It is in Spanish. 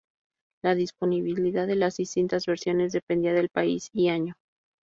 La disponibilidad de las distintas versiones dependía del país y año.